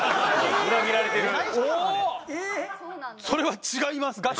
それは違います。